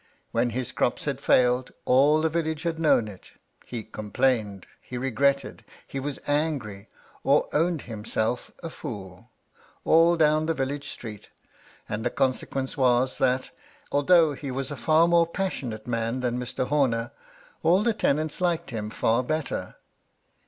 ^Mien his crops had failed, all the vil lage had known it He complained, he regretted, he was angiT, or owned himself a fool, all down the village street; and the consequence was that, although he was a fiu* more passionate man than Mr. Homer, all the tenants liked him fiir better.